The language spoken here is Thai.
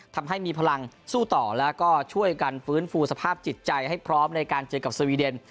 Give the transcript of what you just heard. ทำให้มีพลังสู้ต่อแล้วก็ช่วยกันฟื้นฟูสภาพจิตใจให้พร้อมในการเจอกับสวีเดน